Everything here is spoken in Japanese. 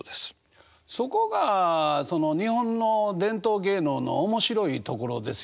そこが日本の伝統芸能の面白いところですよね。